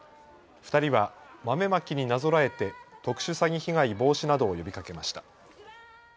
２人は豆まきになぞらえて特殊詐欺被害防止などを呼びかけました。